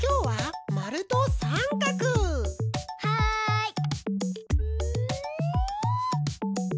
はい！